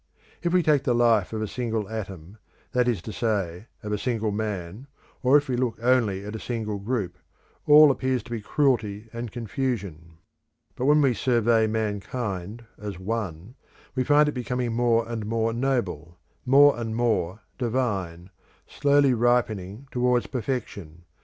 If we take the life of a single atom, that is to say of a single man, or if we look only at a single group, all appears to be cruelty and confusion; but when we survey mankind as One, we find it becoming more and more noble, more and more divine, slowly ripening towards perfection.